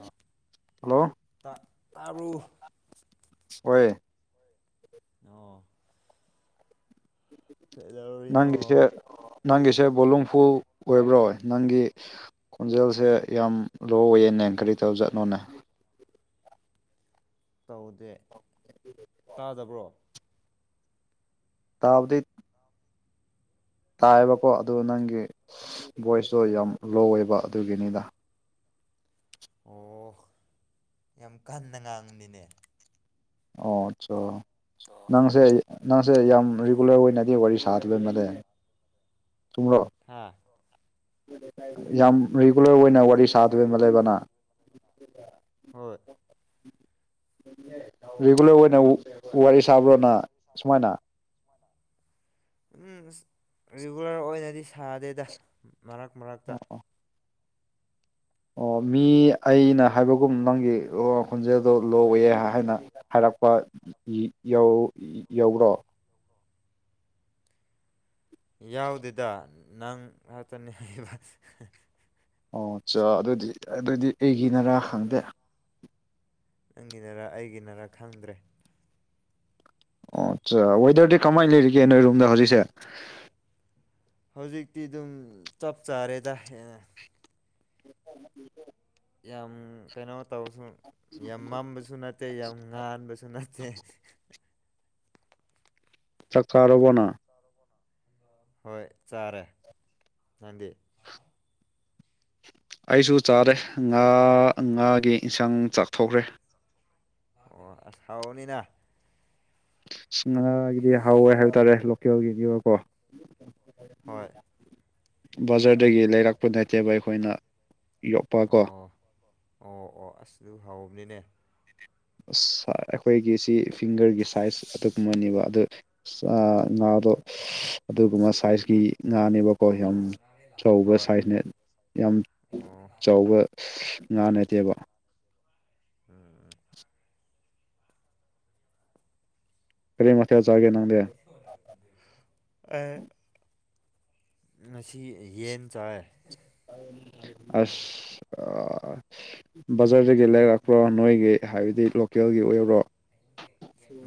ꯑ ꯇ ꯇꯥ ꯑꯣꯏꯣꯏ ꯑꯣ ꯐꯂ ꯅꯪꯒꯤꯁꯦ ꯅꯪꯒꯤꯁꯦ ꯕꯣꯂꯨꯡꯐꯨ ꯑꯣꯏꯕ꯭ꯔꯣ ꯅꯪꯒꯤ ꯈꯣꯟꯖꯦꯜꯁꯦ ꯌꯥꯝ ꯂꯣ ꯑꯣꯏꯌꯦꯅꯦ ꯀꯔꯤ ꯇꯧꯔ ꯆꯖꯠꯅꯣꯅꯦ ꯇꯧꯗꯦ ꯇꯥꯗꯕ꯭ꯔꯣ ꯀꯇꯥꯕꯗꯤ ꯇꯥꯏꯑꯕꯀꯣ ꯑꯗꯨ ꯅꯪꯒꯤ ꯚꯣꯏꯁꯇꯣ ꯌꯥꯝ ꯂꯣ ꯑꯣꯏꯕ ꯑꯗꯨꯒꯤꯅꯤꯗ ꯑꯣ ꯌꯥꯝ ꯀꯟꯅ ꯉꯥꯡꯕꯅꯤꯅꯦ ꯑꯣ ꯑꯠꯆꯥ ꯅꯪꯁꯦ ꯅꯪꯁꯦ ꯌꯥꯝ ꯔꯤꯒꯨꯂꯔ ꯑꯣꯏꯅꯗꯤ ꯋꯥꯔꯤ ꯁꯥꯗꯕ ꯃꯥꯅꯦ ꯇꯨꯝꯂꯣ ꯍꯥꯥ ꯌꯥꯝ ꯔꯤꯒꯨꯂꯔ ꯑꯣꯏꯅ ꯋꯥꯔꯤ ꯁꯥꯗꯔ꯭ꯦ ꯑꯃ ꯂꯩꯕꯅ ꯍꯣꯏ ꯔꯤꯒꯨꯂꯔ ꯑꯣꯏꯅ ꯋꯥꯔꯤ ꯁꯥꯕ꯭ꯔꯣꯅ ꯁꯨꯃꯥꯏꯅ ꯎꯝ ꯔꯤꯒꯨꯂꯔ ꯑꯣꯏꯅꯗꯤ ꯁꯥꯗꯦꯗ ꯃꯔꯛ ꯃꯔꯛꯇ ꯑꯣ ꯃꯤ ꯑꯩꯅ ꯍꯥꯏꯕꯒꯨꯝ ꯅꯪꯒꯤꯔꯣ ꯈꯣꯟꯖꯦꯜꯗꯣ ꯂꯣꯑꯣꯌꯦ ꯍꯥꯏꯅ ꯍꯜꯂꯛꯄ ꯌꯧ ꯌꯧꯕ꯭ꯔꯣ ꯌꯥꯎꯗꯦꯗ ꯅꯪ ꯉꯥꯛꯇꯅꯤ ꯍꯥꯏꯕ ꯑꯣꯆꯥ ꯑꯗꯨꯗꯤ ꯑꯗꯨꯗꯤ ꯑꯩꯒꯤ ꯅꯔꯥ ꯈꯪꯗꯦ ꯅꯪꯒꯤ ꯅꯔꯥ ꯑꯩꯒꯤ ꯅꯔꯥ ꯈꯪꯗ꯭ꯔꯦ ꯑꯣ ꯑꯠꯆꯥꯥ ꯋꯦꯗꯔꯗꯤ ꯀꯃꯥꯏꯅ ꯂꯩꯔꯤꯒꯦ ꯅꯣꯏ ꯔꯨꯝꯗ ꯍꯧꯖꯤꯛꯁꯦ ꯍꯧꯖꯤꯛꯇꯤ ꯑꯗꯨꯝ ꯆꯞ ꯆꯥꯔꯦꯗ ꯍꯦꯟꯅ [inaudible] ꯌꯥꯝ ꯀꯩꯅꯣ ꯇꯧꯁꯨ ꯌꯥꯝ ꯃꯝꯕꯁꯨ ꯅꯠꯇꯦ ꯌꯥꯝ ꯉꯥꯟꯕꯁꯨ ꯅꯠꯇꯦ ꯆ ꯀꯥꯕꯅ ꯍꯣꯏ ꯆꯥꯔꯦ ꯅꯥꯟꯗꯤ ꯑꯩꯁꯨ ꯆꯥꯔꯦ ꯉꯥ ꯉꯥꯒꯤ ꯏꯟꯁꯥꯡ ꯆꯥꯛꯊꯣꯛꯈ꯭ꯔꯦ ꯑꯣ ꯑꯁ ꯍꯥꯎꯅꯤꯅ ꯉꯥꯒꯤꯗꯤ ꯍꯥꯎꯋꯦ ꯍꯥꯏ ꯇꯔꯦ ꯂꯣꯀꯦꯜꯒꯤꯗꯤ ꯑꯣꯏꯀꯣ ꯍꯣꯏ ꯕꯥꯖꯥꯔꯗꯒꯤ ꯂꯩꯔꯛꯄ ꯅꯠꯇꯦꯕ ꯑꯩꯈꯣꯏꯅ ꯌꯣꯛꯄ ꯀꯣ ꯑꯣ ꯑꯣ ꯑꯣ ꯑꯁꯗꯨ ꯍꯥꯎꯕꯅꯤꯅꯦ ꯑꯁ ꯑꯩꯈꯣꯏꯒꯤ ꯁꯤ ꯐꯤꯡꯒꯔꯒꯤꯁ ꯁꯥꯏꯖ ꯑꯗꯨꯒꯨꯝꯕꯅꯦꯕ ꯑꯗꯨ ꯉꯥꯗꯣ ꯑꯗꯨꯒꯨꯝꯕ ꯁꯥꯏꯖꯀꯤ ꯉꯥꯅꯦꯕꯀꯣ ꯌꯥꯝ ꯆꯧꯕ ꯍꯣꯏ ꯁꯥꯏꯖꯅꯦ ꯌꯥꯝ ꯑꯣ ꯆꯥꯎꯕ ꯑꯁ ꯉꯥ ꯅꯠꯇꯦꯕ ꯎꯝ ꯎꯝ ꯀꯔꯤ ꯃꯊꯦꯜ ꯆꯥꯒꯦ ꯅꯪꯗꯤ ꯑꯩ ꯉꯁꯤ ꯌꯦꯟ ꯆꯥꯏ ꯑꯁ ꯑꯥ ꯕꯖꯥꯔꯗꯒꯤ ꯂꯩꯔꯛꯄ꯭ꯔꯣ ꯅꯣꯏꯒꯤ ꯍꯥꯏꯕꯗꯤ ꯂꯣꯀꯦꯜꯒꯤ ꯑꯣꯏꯕ꯭ꯔꯣ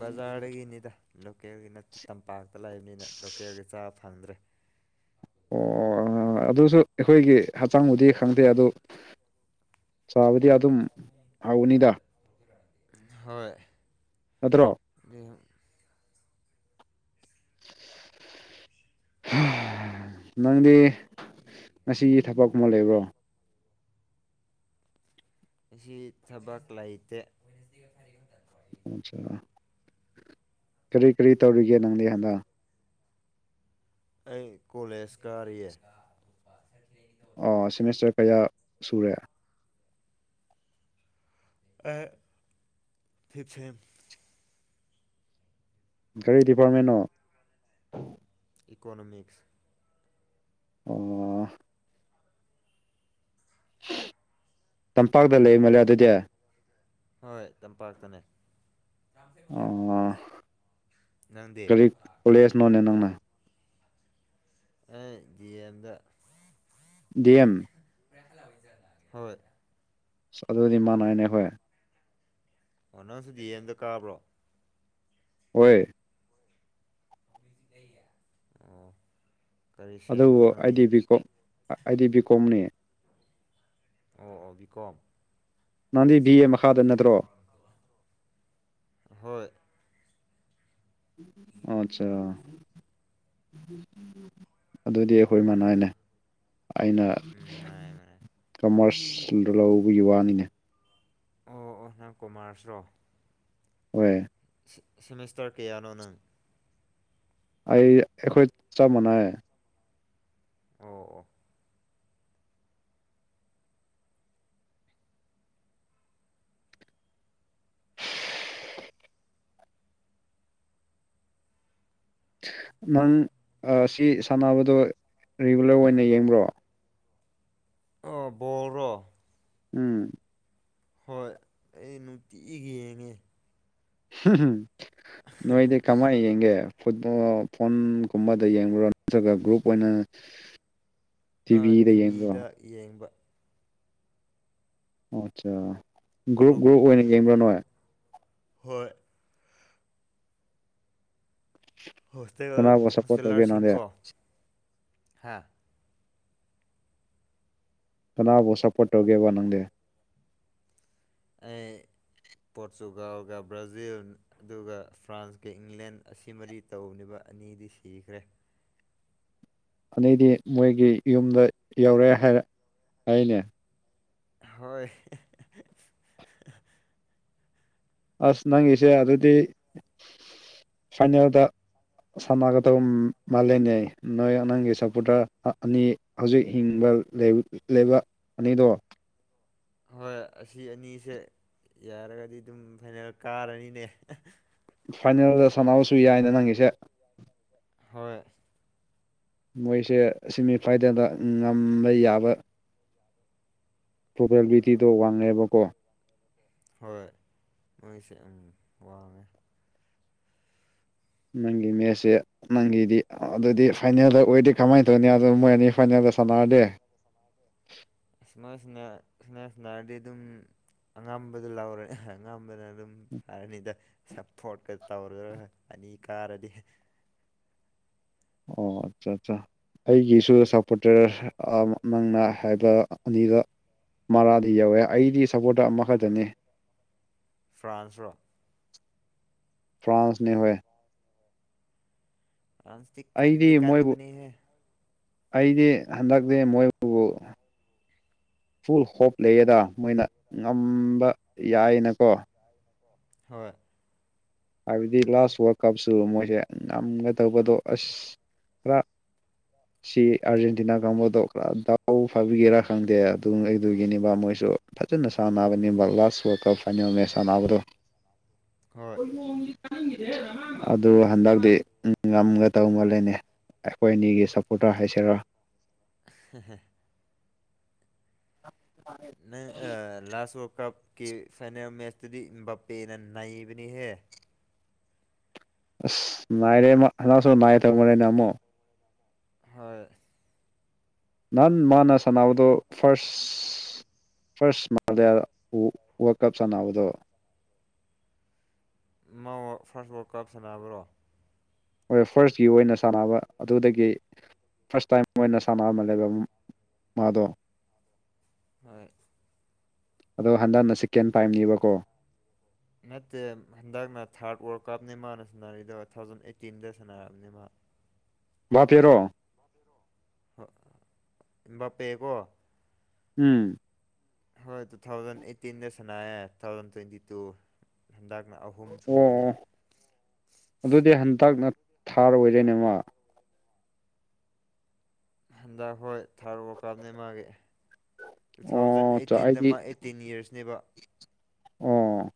ꯕꯖꯥꯔꯗꯒꯤꯅꯤꯗ ꯂꯣꯀꯦꯜꯒꯤ ꯅꯠꯇꯦ ꯇꯝꯄꯥꯛꯇ ꯂꯩꯕꯅꯤꯅ ꯂꯣꯀꯦꯜꯒꯤ ꯆꯥꯕ ꯐꯪꯗ꯭ꯔꯦ ꯑꯣ ꯑꯗꯨꯁꯨ ꯑꯩꯈꯣꯏꯒꯤ ꯍꯛꯆꯥꯡꯗꯗꯤ ꯈꯪꯗꯦ ꯑꯗꯨ ꯆꯕꯗꯤ ꯌꯥꯠ ꯍꯣꯏ ꯅꯠꯇ꯭ꯔꯣ [unintelligible] ꯍꯥ ꯅꯪꯗꯤ ꯑꯩꯁꯦ ꯉꯁꯤꯒꯤ ꯊꯕꯛꯀꯨꯝꯕ ꯂꯩꯕ꯭ꯔꯣ ꯑꯁꯤ ꯊꯕꯛ ꯂꯩꯇꯦ ꯑꯆꯥ ꯀꯔꯤ ꯀꯔꯤ ꯇꯧꯔꯤꯒꯦ ꯅꯪꯗꯤ ꯍꯟꯗꯛ ꯑꯩ ꯀꯣꯂꯦꯖ ꯀꯥꯔꯤꯌꯦ ꯑꯣ ꯁꯤꯃꯤꯁꯇꯔ ꯀꯌꯥ ꯁꯨꯔꯦ ꯑꯩ ꯐꯤꯞꯁꯦꯝ ꯀꯔꯤ ꯗꯤꯄꯥꯔꯠꯃꯦꯟꯅꯣ ꯏꯀꯣꯅꯣꯃꯤꯛꯁ ꯑꯣ ꯇꯝꯄꯥꯛꯇ ꯂꯩ ꯃꯜꯂꯦ ꯑꯗꯨꯗꯤ ꯍꯣꯏ ꯇꯝꯄꯥꯛꯇꯅꯦ ꯑꯣ ꯅꯪꯗꯤ ꯀꯣꯂꯦꯖ ꯅꯣꯅꯦ ꯅꯪꯅ ꯑꯩ ꯗꯤ ꯌꯦꯟꯗ ꯗꯤ ꯑꯦꯝ ꯍꯣꯏ ꯑꯁ ꯑꯗꯨꯗꯤ ꯃꯅꯩꯅꯦ ꯈꯣꯏ ꯑꯣ ꯅꯪꯁꯨ ꯗꯤ ꯑꯦꯝꯗ ꯀꯥꯕ꯭ꯔꯣ ꯑꯣꯏ ꯑꯣ ꯀꯔꯤ ꯁꯦꯝꯕ꯭ꯔꯣ ꯑꯗꯨꯕꯨ ꯅꯪꯗꯤ ꯑꯩꯗꯤ ꯕꯤ ꯀꯣꯝ ꯑꯩꯗꯤ ꯕꯤ ꯀꯣꯝꯅꯦ ꯑꯣ ꯑꯣ ꯕꯤ ꯀꯣꯝ ꯅꯪꯗꯤ ꯚꯤꯑꯦ ꯃꯈꯥꯗꯨ ꯅꯠꯇ꯭ꯔꯣ ꯍꯣꯏ ꯑꯆꯥ ꯑꯗꯨꯗꯤ ꯑꯩꯈꯣꯏ ꯃꯅꯥꯏꯅꯦ ꯑꯩꯅ ꯎꯝ ꯃꯔꯥꯏ ꯃꯔꯥꯏ ꯀꯃ꯭ꯔꯁ ꯁꯤꯡꯗꯣ ꯂꯧꯕꯤꯕ ꯋꯥꯅꯤꯅꯦ ꯑꯣ ꯑꯣ ꯅꯪ ꯀꯨꯃꯥ꯭ꯔꯁꯔꯣ ꯍꯣꯏ ꯁꯦꯃꯤꯁꯇ꯭ꯔ ꯀꯌꯥꯅꯣ ꯅꯪ ꯑꯩ ꯑꯩꯈꯣꯏ ꯆꯞ ꯃꯥꯟꯅꯩ ꯑꯣ ꯑꯣ ꯅꯪ ꯑ ꯁꯤ ꯁꯥꯟꯅꯕꯗꯣ ꯔꯤꯒꯨꯂ꯭ꯔ ꯑꯣꯏꯅ ꯌꯦꯡꯕ꯭ꯔꯣ ꯑꯣ ꯕꯣꯜꯔꯣ ꯎꯝ ꯍꯣꯏ ꯑꯩ ꯅꯨꯡꯇꯤꯒꯤ ꯌꯦꯡꯉꯦ ꯅꯣꯏꯗꯤ ꯀꯃꯥꯏ ꯌꯦꯡꯒꯦ ꯐꯨꯠꯕꯣꯜ ꯐꯣꯟꯒꯨꯝꯕꯗ ꯌꯦꯡꯕ꯭ꯔꯣ ꯅꯠꯇ꯭ꯔꯒ ꯒ꯭ꯔꯨꯞ ꯑꯣꯏꯅ ꯇꯤꯚꯤꯗ ꯌꯦꯡꯕ꯭ꯔꯣ ꯌꯦꯡꯕ ꯑꯣꯆꯥ ꯒ꯭ꯔꯨꯞ ꯒ꯭ꯔꯨꯞ ꯑꯣꯏꯅ ꯌꯦꯡꯕ꯭ꯔꯥ ꯅꯣꯏ ꯍꯣꯏ ꯍꯣꯁꯇꯦꯜ ꯀꯅꯥꯕꯨ ꯁꯞꯄꯣꯔꯠ ꯇꯧꯒꯦ ꯅꯪꯗꯤ ꯍꯣꯁꯇꯦꯂ꯭ꯔꯁꯤꯡꯀꯣ ꯍꯥ ꯀꯅꯥꯕꯨ ꯁꯞꯄꯣꯔꯠ ꯇꯧꯒꯦꯕ ꯅꯪꯗꯤ ꯑꯩ ꯄꯣꯔꯇꯨꯒꯥꯜꯒ ꯕ꯭ꯔꯥꯖꯤꯟ ꯑꯗꯨꯒ ꯐ꯭ꯔꯥꯟꯁꯀ ꯏꯪꯂꯦꯟ ꯑꯁꯤ ꯃꯔꯤ ꯇꯧꯕꯅꯦꯕ ꯑꯅꯤꯗꯤ ꯁꯤꯈ꯭ꯔꯦ ꯑꯗꯩꯗꯤ ꯃꯣꯏꯒꯤ ꯌꯨꯝꯗ ꯌꯧꯔꯦ ꯍꯥꯏꯔ ꯍꯥꯏꯅꯦ ꯍꯣꯏ ꯍ [unintelligible] ꯑꯁ ꯅꯪꯉꯤꯁꯦ ꯑꯗꯨꯗꯤ ꯐꯥꯏꯅꯦꯜꯗ ꯁꯥꯟꯅꯒꯗꯧ ꯃꯥꯜꯂꯦꯅꯦ ꯅꯣꯏ ꯅꯪꯒꯤ ꯁꯞꯄꯣꯔꯠꯇ ꯑꯅꯤ ꯍꯧꯖꯤꯛ ꯍꯤꯡꯕ ꯂꯩ ꯂꯩꯕ ꯑꯅꯤꯗꯣ ꯍꯣꯏ ꯑꯁꯤ ꯑꯅꯤꯁꯦ ꯌꯥꯔꯒꯗꯤ ꯑꯗꯨꯝ ꯐꯥꯏꯅꯦꯜ ꯀꯥꯔꯅꯤꯅꯦ ꯐꯥꯏꯅꯦꯜꯗ ꯁꯥꯟꯅꯕꯁꯨ ꯌꯥꯏꯅ ꯅꯪꯒꯤꯁꯦ ꯍꯣꯏ ꯃꯣꯏꯁꯦ ꯁꯤꯃꯤꯐꯥꯏꯗ꯭ꯔꯦꯟꯗ ꯉꯝꯕ ꯌꯥꯕ ꯄ꯭ꯔꯣꯕꯦꯕꯤꯂꯤꯇꯤꯗꯣ ꯋꯥꯡꯉꯦꯕꯀꯣ ꯍꯣꯏ ꯃꯣꯏꯁꯦ ꯎꯝ ꯋꯥꯡꯉꯦ ꯅꯪꯒꯤ ꯃꯦꯠꯁꯦ ꯅꯪꯒꯤꯗꯤ ꯑꯗꯨꯗꯤ ꯐꯥꯏꯅꯦꯜꯗ ꯑꯣꯏꯗꯤ ꯀꯃꯥꯏ ꯇꯧꯅꯤ ꯑꯗꯨ ꯃꯣꯏ ꯑꯅꯤ ꯐꯥꯏꯅꯦꯜꯗ ꯁꯥꯟꯅꯔꯗꯤ ꯁꯤꯃꯥꯜ ꯁꯤꯅ ꯁꯅꯥ ꯁꯅꯥꯔꯗꯤ ꯑꯗꯨꯝ ꯑꯉꯝꯕꯗ ꯂꯧꯔꯦ ꯑꯉꯝꯕꯅ ꯑꯗꯨꯝ ꯐꯔꯅꯤꯗ ꯁꯞꯐꯣꯔꯠꯀ ꯇꯧꯔ ꯑꯅꯤ ꯀꯥꯔꯗꯤ ꯑꯣ ꯑꯠꯆꯥ ꯑꯠꯆꯥ ꯑꯩꯒꯤꯁꯨ ꯁꯞꯄꯣꯔꯇꯔ ꯅꯪꯅ ꯍꯥꯏꯕ ꯑꯅꯤꯗꯣ ꯃꯔꯥꯗꯤ ꯌꯧꯋꯦ ꯑꯩꯗꯤ ꯁꯞꯄꯣꯔꯠꯇ ꯑꯃꯈꯛꯇꯅꯦ ꯐ꯭ꯔꯥꯟꯁꯔꫭ ꯐ꯭ꯔꯥꯟꯁꯅꯤ ꯍꯣꯏ ꯐ꯭ꯔꯥꯟꯁꯇꯤ ꯀꯟꯗꯤ ꯑꯩꯗꯤ ꯃꯣꯏꯕꯨ ꯀꯟꯕꯅꯤ ꯍꯦ ꯑꯩꯗꯤ ꯍꯟꯗꯛꯇꯤ ꯃꯣꯏꯕꯨꯕꯨ ꯐꯨꯜ ꯍꯣꯞ ꯂꯩꯌꯦꯗ ꯃꯣꯏꯅ ꯉꯝꯕ ꯌꯥꯏꯅꯀꯣ ꯍꯣꯏ ꯍꯥꯏꯕꯗꯤ ꯂꯥꯁ ꯋꯥꯔꯀꯞꯁꯨ ꯃꯣꯏꯁꯦ ꯉꯝꯒꯗꯧꯕꯗꯣ ꯑꯁ ꯈꯔ ꯁꯤ ꯑꯥꯔꯖꯦꯟꯇꯤꯅꯥ ꯀꯥꯡꯕꯨꯗꯣ ꯈꯔ ꯗꯥꯎ ꯐꯕꯒꯤꯔ ꯈꯪꯗꯦ ꯑꯗꯨꯉꯩꯗꯨꯒꯤꯅꯤꯕ ꯃꯣꯏꯁꯨ ꯐꯖꯅ ꯁꯥꯟꯅꯕꯅꯤꯕ ꯎꯝ last world cup final match ꯁꯥꯟꯅꯕꯗꯣ ꯍꯣꯏ ꯑꯗꯨ ꯍꯟꯗꯛꯇꯤ ꯎꯝ ꯉꯝꯒꯇꯧ ꯃꯥꯜꯂꯦꯅꯦ ꯑꯩꯈꯣꯏ ꯑꯅꯤꯒꯤ ꯁꯞꯄꯣꯠꯇ꯭ꯔ ꯍꯥꯏꯁꯤꯔ ꯍ ꯍ ꯑ ꯅꯪ ꯑ ꯂꯥꯁ ꯋꯥꯜꯀꯞ ꯀ ꯐꯅ ꯃꯦꯁꯇꯗꯤ ꯕꯞꯄꯦꯅ ꯅꯩꯏꯕꯅꯤ ꯍꯦ ꯑꯁ ꯅꯥꯏꯔꯦ ꯍ ꯁ ꯅꯥꯏꯔ ꯊ ꯃꯦꯅ ꯑꯃꯣ ꯍꯣꯏ ꯅꯍꯥꯟ ꯃꯥꯅ ꯁꯥꯟꯅꯕꯗꯨ ꯐꯥꯔꯁ ꯑꯁ ꯐꯥꯔꯁ ꯃꯥꯂꯌꯥ ꯋꯥꯔꯜ ꯀꯞ ꯁꯥꯟꯅꯕꯗꯣ ꯃꯥ ꯐꯥꯔꯁ ꯋꯥꯔꯠ ꯀꯞ ꯁꯥꯟꯅꯕꯔꯣ ꯍ ꯐꯥꯔꯁꯀꯤ ꯑꯣꯏꯅ ꯁꯥꯟꯅꯕ ꯑꯗꯨꯗꯒꯤ ꯐꯥꯔꯁ ꯇꯥꯏꯝ ꯑꯣꯏꯅ ꯁꯥꯟꯅ ꯑꯃ ꯂꯩꯕ ꯃꯥꯗꯣ ꯍꯣꯏ ꯑꯗꯣ ꯍꯟꯗꯅ ꯆꯤꯀꯦꯟ ꯄꯥꯏꯝꯅꯦꯕꯀꯣ ꯅꯠꯇꯦ ꯍꯟꯗꯛꯅ ꯊꯥꯔꯠ ꯋꯥꯔꯜ ꯀꯞꯅꯦ ꯃꯥꯅ ꯁꯥꯟꯅꯔꯤꯗꯣ ꯇꯨ ꯊꯥꯎꯖꯟ ꯑꯦꯠꯇꯤꯟꯗ ꯁꯥꯟꯅꯔꯕꯅꯦ ꯃꯥ ꯕꯥ ꯇꯦꯔꯣ ꯍꯥ ꯕꯥꯄꯦꯀꯣ ꯎꯝ ꯍꯣꯏ ꯇꯨ ꯊꯥꯎꯖꯟ ꯑꯦꯠꯇꯤꯟꯗ ꯁꯅꯇꯦ ꯇꯨ ꯊꯥꯎꯖꯟ ꯇ꯭ꯋꯦꯟꯇꯤ ꯇꯨ ꯍꯟꯗꯛꯅ ꯑꯍꯨꯝ ꯑꯣ ꯁꯨꯕꯅꯦ ꯑꯣ ꯑꯗꯨꯗꯤ ꯍꯟꯇꯛꯅ ꯊꯥꯔꯣꯏꯔꯦꯅꯦꯃ ꯍꯟꯗꯛ ꯍꯣꯏ ꯊꯥꯔꯣ ꯀꯥꯞꯅꯦ ꯃꯥꯒꯤ ꯇꯨ ꯊꯥꯎꯖꯟ ꯑꯣ ꯆꯥ ꯑꯦꯠꯇꯤꯟꯗ ꯃꯥ ꯑꯩꯗꯤ ꯑꯦꯠ ꯇꯦꯟ ꯏꯌꯔꯁꯅꯦꯕ ꯑꯣ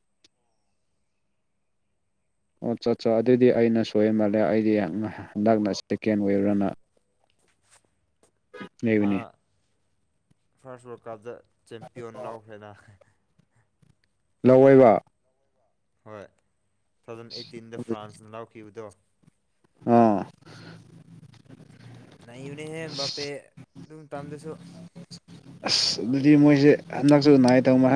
ꯑꯣ ꯆꯠ ꯆꯣ ꯑꯗꯨꯗꯤ ꯑꯩꯅ ꯁꯣꯏ ꯃꯥꯜꯂꯦ ꯑꯩꯗꯤ ꯍꯟꯗꯛꯅ ꯁꯦꯀꯦꯟ ꯋꯦꯕꯔꯅ ꯃꯥ ꯂꯩꯕꯅꯤ ꯐ꯭ꯔꯥꯟꯁꯅ ꯋꯥꯀꯞꯇ ꯆꯦꯝꯄꯤꯌꯣꯟ ꯂꯧꯈ꯭ꯔꯦꯅ ꯂꯧꯔꯣꯏꯕ ꯍꯣꯏ ꯇꯨ ꯊꯥꯎꯖꯟ ꯑꯦꯠꯇꯤꯟꯗ ꯐ꯭ꯔꯥꯟꯁꯅ ꯂꯧꯈꯤꯕꯗꯣ ꯑꯥ ꯅꯩꯕꯅꯤꯍꯦ ꯕꯥꯞꯄꯦ ꯑꯗꯨꯝ ꯇꯝꯗꯁꯨ ꯑꯁ ꯑꯗꯨꯗꯤ ꯃꯣꯏꯁꯦ ꯍꯟꯗꯛꯁꯨ ꯅꯨꯡꯉꯥꯏꯇꯕ ꯃꯥ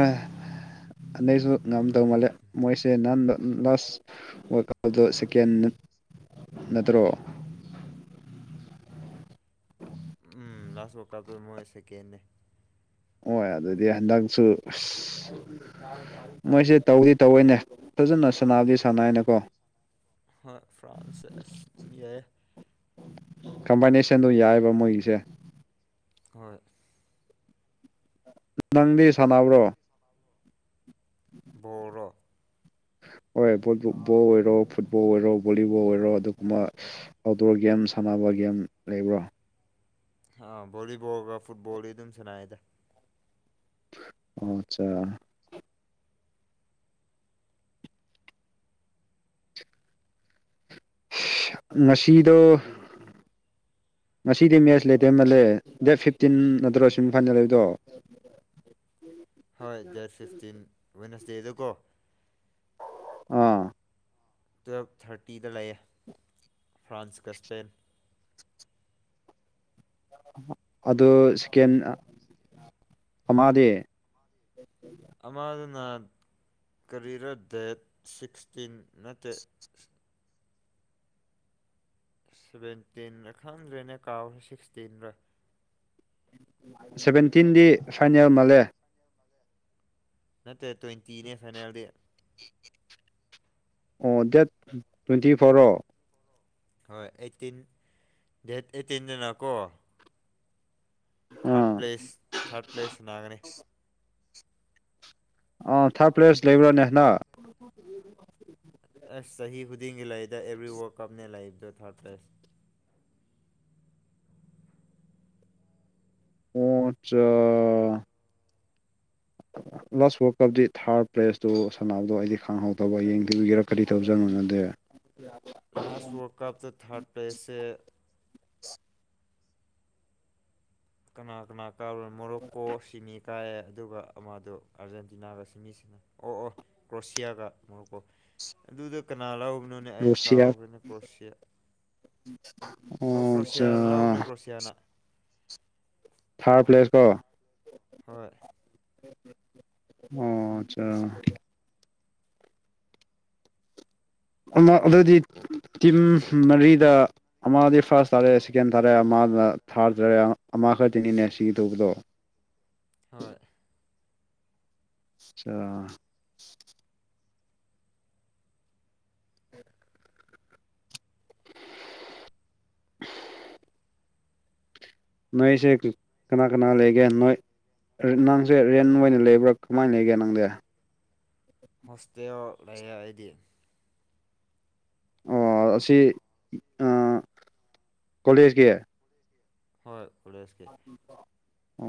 ꯑꯟꯗꯛꯁꯨ ꯉꯝꯗꯧ ꯎꯝ ꯃꯥꯜꯂꯦ ꯃꯣꯏꯁꯦ ꯅꯍꯟ ꯂꯥꯁ ꯋꯥꯔꯀꯞꯗ ꯁꯦꯀꯦꯟ ꯅꯠꯇ꯭ꯔꯣ ꯍ [inaudible] ꯎꯝ ꯂꯥꯁꯠ ꯋꯥꯀꯞꯇ ꯃꯣꯏ ꯁꯦꯀꯦꯟꯅꯦ ꯍ ꯑꯗꯨꯗꯤ ꯍꯟꯗꯛꯁꯨ ꯃꯣꯏꯁꯦ ꯇꯧꯗꯤ ꯇꯧꯏꯋꯦꯅꯦ ꯐꯖꯅ ꯁꯥꯟꯅꯗꯤ ꯁꯥꯟꯅꯩꯅꯦꯀꯣ ꯐ꯭ꯔꯥꯟꯁꯁ ꯌꯥꯏ ꯀꯝꯕꯥꯏꯅꯦꯁꯟꯗꯣ ꯌꯥꯏꯌꯦꯕ ꯃꯣꯏꯒꯤꯁꯦ ꯍꯣꯏ ꯅꯪꯗꯤ ꯁꯥꯟꯅꯕ꯭ꯔꯣ ꯕꯣꯜꯔꯣ ꯍꯣꯏ ꯕꯣꯕꯨ ꯕꯣꯜ ꯑꯣꯏꯔꯣ ꯐꯨꯠꯕꯣꯜ ꯑꯣꯏꯔꯣ ꯕꯣꯂꯤꯕꯣꯜ ꯑꯣꯏꯔꯣ ꯑꯗꯨꯒꯨꯝꯕ ꯑꯥꯎꯠꯗꯣꯔ ꯒꯦꯝ ꯁꯥꯟꯅꯕ ꯒꯦꯝ ꯂꯩꯕ꯭ꯔꯣ ꯍꯥ ꯕꯣꯂꯤꯕꯣꯜꯒ ꯐꯨꯠꯕꯣꯜꯒ ꯑꯗꯨꯝ ꯁꯅꯩꯗ ꯑꯣ ꯑꯆꯥ ꯉꯁꯤꯗꫭ ꯉꯁꯤꯗꯤ ꯃꯦꯠꯁ ꯂꯩꯇꯦ ꯃꯜꯂꯦ ꯗꯦꯠ ꯐꯤꯞꯇꯤꯟ ꯅꯠꯇ꯭ꯔꯣ ꯁꯨꯝ ꯐꯥꯏꯅ ꯂꯩꯕꯗꯣ ꯍꯣꯏ ꯗꯦꯠ ꯐꯤꯐꯇꯤꯟ ꯋꯦꯟꯁꯗꯦꯗ ꯀꯣ ꯑꯥ ꯇꯨꯌꯦꯞ ꯊꯥꯔꯇꯤꯗ ꯂꯩꯌꯦ ꯐ꯭ꯔꯥꯟꯁꯀ ꯁ꯭ꯄꯦꯟ ꯑꯗꯨ ꯁꯤꯀꯦꯟ ꯑꯃꯗꯤ INAUDIBLE ꯑꯃꯗꯨꯅ ꯀꯔꯤꯔ ꯗꯦꯠ ꯁꯤꯛꯁꯇꯤꯟ ꯅꯠꯇꯦ ꯁꯚꯦꯟꯇꯤꯟꯔ ꯈꯪꯗ꯭ꯔꯦꯅꯦ ꯀꯥꯎꯔꯦ ꯁꯤꯛꯁꯇꯤꯟꯔ ꯁꯦꯚꯦꯟꯇꯤꯟꯗꯤ ꯐꯥꯏꯅꯦꯜ ꯃꯥꯟꯂꯦ ꯅꯠꯇꯦ ꯇ꯭ꯋꯦꯟꯇꯤꯅꯦ ꯐꯥꯏꯅꯦꯜꯗꯤ ꯑꯣ ꯗꯦꯠ ꯇ꯭ꯋꯦꯟꯇꯤ ꯐꯣꫪꯔꯣ ꯍꯣꯏ ꯑꯦꯠꯇꯤꯟ ꯗꯦꯠ ꯑꯦꯠꯇꯤꯟꯗꯅꯀꯣ ꯊꯥꯔꯠ ꯑꯥ ꯄ꯭ꯂꯦꯁ ꯊꯥꯔꯠ ꯄ꯭ꯂꯦꯁ ꯁꯥꯟꯅꯥꯒꯅꯤ ꯑꯥ ꯊꯥꯔꯠ ꯄ꯭ꯂꯦꯁ ꯂꯩꯕ꯭ꯔꯥꯅꯦ ꯍꯟꯗꯛ ꯑꯦꯁ ꯆꯍꯤ ꯈꯨꯗꯤꯡꯒꯤ ꯂꯩꯗ ꯑꯦꯕ꯭ꯔꯤ ꯋꯥꯔꯜ ꯀꯞꯅꯦ ꯂꯩꯕꯗꯣ ꯊꯥꯔꯠ ꯄ꯭ꯂꯦꯁ ꯑꫭ ꯑꯆꯥ ꯂꯥꯁ ꯋꯥꯔꯜ ꯀꯞꯇ ꯊꯥꯔꯠ ꯄ꯭ꯂꯦꯁꯇꯨ ꯁꯥꯟꯅꯕꯗꯣ ꯑꯩꯗꯤ ꯈꯥꯡꯍꯧꯗꯕ ꯌꯦꯡꯗꯕꯤꯒꯤꯔ ꯀꯔꯤ ꯇꯧꯖꫪꯅꫭ ꯅꯪꯗꯦ ꯀꯞꯇꯣ ꯊꯔꯠ ꯄ꯭ꯂꯦꯁꯁꯦ ꯀꯅꯥ ꯀꯅꯥ ꯀꯥꯕ꯭ꯔ ꯃꯣꯔꯣꯛꯀꯣ ꯁꯤꯃꯤ ꯀꯥꯏꯑꯦ ꯑꯗꯨꯒ ꯑꯃꯗꯣ ꯑꯥꫪꯖꯦꯟꯇꯤꯅꯥꯒ ꯁꯤꯃꯤ ꯁꯤꯟꯅ ꯑꯣ ꯑꯣ ꯀ꯭ꯔꯣꯁꯤꯌꯥꯒ ꯃꫭꯔꫭꯀꫭ ꯑꯗꯨꯗ ꯀꯅꯥ ꯂꯧ ꯒꯨꯅꯣꯅꯦ ꯑꯩ ꯔꯨꯁꯤꯌꯥ ꯀꯥꯎꯈꯔꯦꯅꯦ ꯀ꯭ꯔꯣꯁꯤꯌꯥ [unintelligible] ꯑꯣ ꯀ꯭ꯔꯣꯁꯤꯌꯥ ꯆꯥ ꯅ ꯂꯧꯕꯅꯦ ꯀ꯭ꯔꯣꯁꯤꯌꯥꯅ ꯊꯥꯔꯠ ꯄ꯭ꯂꯦꯁꯀꯣ ꯍꯣꯏ ꯑꯣ ꯑꯆꯥ ꯑꯃ ꯑꯗꯨꯗꯤ ꯇꯤꯝ ꯃꯔꯤꯗ ꯑꯃꯗꯤ ꯐꯥꫪꯁ ꯇꯥꯔꯦ ꯁꯦꯀꯦꯟ ꯇꯥꯔꯦ ꯑꯃꯅ ꯊꯥꫪ ꯇꯥꫪꯖꯦ ꯑꯃ ꯈꯛꯇꯅꯤꯅꯦ ꯁꯤꯒꯤꯗꯧꯕꯗꯣ ꯍꯣꯏ ꯑꯆꯥ ꯅꯣꯏꯁꯦ ꯀꯅꯥ ꯀꯅꯥ ꯂꯩꯒꯦ ꯅꯣꯏ ꯅꯪꯁꯦ ꯔꯦꯟ ꯑꯣꯏꯅ ꯂꯩꯕ꯭ꯔꯥ ꯀꯃꯥꯏꯅ ꯂꯩꯒꯦ ꯅꯪꯗꯤ ꯍꯣꯁꯇꯦꯜ ꯂꯩ ꯑꯩꯗꯤ ꯑꯣ ꯑꯁꯤ ꯑ ꯀꯣꯂꯦꯖꯀꯤ ꯍꯣꯏ ꯀꫭꯂꯦꯁꯀꯤ [unintelligible]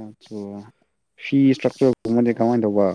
ꯐꯤ ꯏꯁꯇ꯭ꯔꯛꯆꯔꯒꯨꯝꯕꯗꯤ ꯀꯃꯥꯏꯅ ꯇꯧꯕ